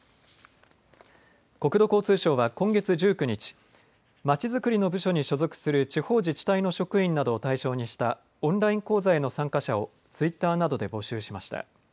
国土交通省は今月１９日、街づくりの部署に所属する地方自治体の職員などを対象にした、オンライン講座への参加者を、ツイッターなどで募集しました。